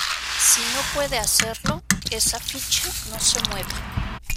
Si no puede hacerlo, esa ficha no se mueve.